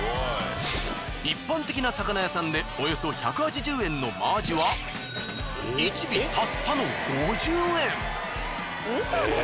一般的な魚屋さんでおよそ１８０円の真アジは１尾たったの５０円。